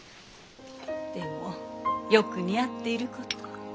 でもよく似合っていること。